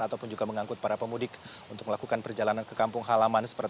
ataupun juga mengangkut para pemudik untuk melakukan perjalanan ke kampung halaman